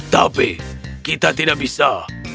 tapi kita tidak bisa